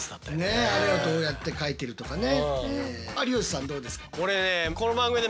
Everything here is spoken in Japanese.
ねえあれをどうやって描いてるとかね。